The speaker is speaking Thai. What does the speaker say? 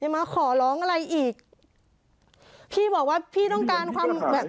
มาขอร้องอะไรอีกพี่บอกว่าพี่ต้องการความแบบ